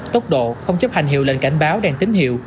tốc độ không chấp hành hiệu lệnh cảnh báo đèn tín hiệu